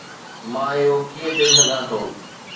مان اهو ڪيئن چئي سگهان ٿو؟